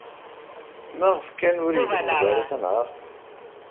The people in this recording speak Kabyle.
Maɣef kan ur ilemmed ara tanhaṛt?